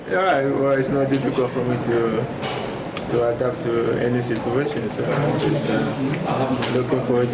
tidak tidak sulit untuk saya menyesuaikan keadaan di mana mana